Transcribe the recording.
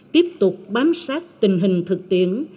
tiếp tục bám sát tình hình thực tiễn